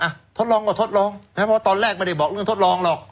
ทดลองก็ทดลองนะครับเพราะว่าตอนแรกไม่ได้บอกเรื่องทดลองหรอก